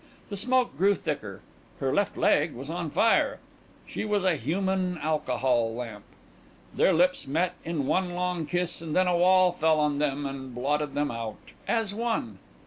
The smoke grew thicker. Her left leg was on fire. She was a human alcohol lamp. Their lips met in one long kiss and then a wall fell on them and blotted them out. "AS ONE."